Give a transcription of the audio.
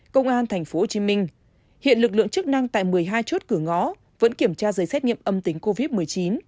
công an tp hcm hiện lực lượng chức năng tại một mươi hai chốt cửa ngõ vẫn kiểm tra giấy xét nghiệm âm tính covid một mươi chín